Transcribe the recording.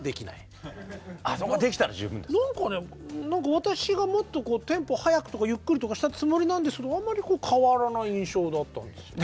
私がもっとテンポ速くとかゆっくりとかしたつもりなんですけどあんまり変わらない印象だったんですよね。